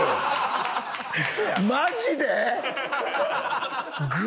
マジで？